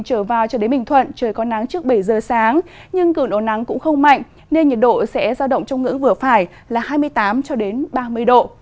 trở vào cho đến bình thuận trời có nắng trước bảy giờ sáng nhưng cường độ nắng cũng không mạnh nên nhiệt độ sẽ giao động trong ngưỡng vừa phải là hai mươi tám ba mươi độ